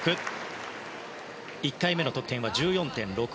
１回目の得点は１４．６６６。